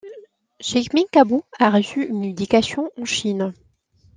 Jigmé Ngapo a reçu une éducation en Chine.